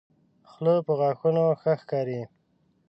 خله په غاښو ښه ښکاري.